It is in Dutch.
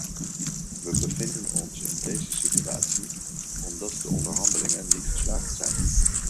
We bevinden ons in deze situatie omdat de onderhandelingen niet geslaagd zijn.